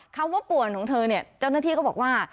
คำว่าป่วนของเธอเนี่ยเจ้าหน้าที่ก็บอกว่า